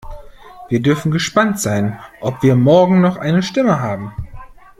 Wir dürfen gespannt sein, ob wir morgen noch eine Stimme haben.